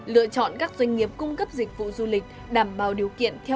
lựa chọn các doanh nghiệp cung cấp dịch vụ du lịch